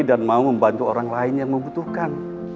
dan mau membantu orang lain yang membutuhkan